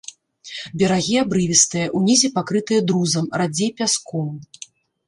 Берагі абрывістыя, унізе пакрытыя друзам, радзей пяском.